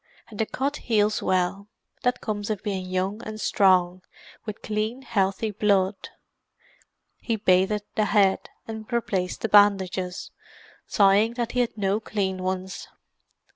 And the cut heals well; that comes of being young and strong, with clean, healthy blood." He bathed the head, and replaced the bandages, sighing that he had no clean ones.